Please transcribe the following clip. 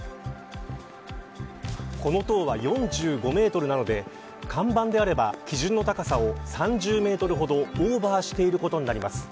この塔は４５メートルなので看板であれば、基準の高さを３０メートルほどオーバーしていることになります。